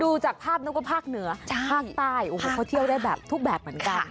ดูจากภาพนึกว่าภาคเหนือภาคใต้โอ้โหเขาเที่ยวได้แบบทุกแบบเหมือนกัน